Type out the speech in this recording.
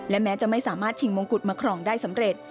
แม้จะไม่สามารถชิงมงกุฎมาครองได้สำเร็จ